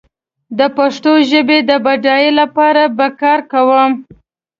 د پښتو ژبې د بډايينې لپاره به کار کوم